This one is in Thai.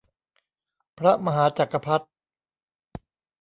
พระมหาจักรพรรดิ